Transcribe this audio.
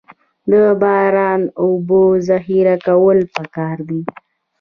د باران اوبو ذخیره کول پکار دي